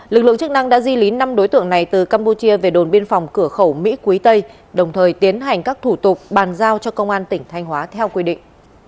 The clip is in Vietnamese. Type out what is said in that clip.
lực lượng chức năng đã di lý năm đối tượng này từ campuchia về đồn biên phòng cửa khẩu mỹ quý tây đồng thời tiến hành các thủ tục bàn giao cho công an tỉnh thanh hóa theo quy định